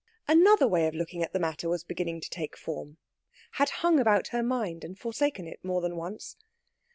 Another way of looking at the matter was beginning to take form: had hung about her mind and forsaken it more than once.